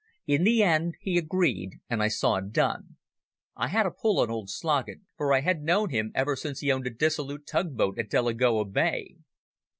In the end he agreed, and I saw it done. I had a pull on old Sloggett, for I had known him ever since he owned a dissolute tug boat at Delagoa Bay.